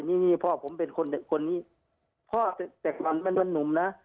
นี่นี่พ่อผมเป็นคนเด็กคนนี้พ่อแตกวันมันเป็นนุ่มน่ะ